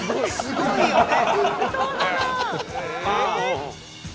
すごいよね。